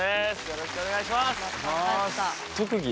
よろしくお願いします。